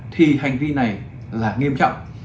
thì hành vi này là nghiêm trọng